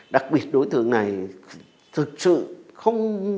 đặc biệt đối tượng này thực sự không